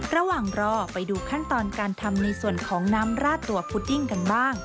ระหว่างรอไปดูขั้นตอนการทำในส่วนของน้ำราดตัวพุดดิ้งกันบ้าง